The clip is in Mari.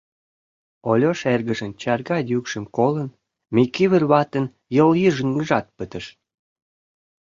Ольош эргыжын чарга йӱкшым колын, Микивыр ватын йолйыжыҥжат пытыш.